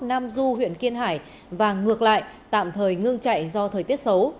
nam du huyện kiên hải và ngược lại tạm thời ngưng chạy do thời tiết xấu